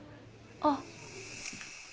あっ。